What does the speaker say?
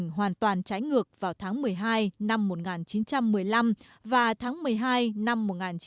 hình ảnh hoàn toàn trái ngược vào tháng một mươi hai năm một nghìn chín trăm một mươi năm và tháng một mươi hai năm một nghìn chín trăm một mươi sáu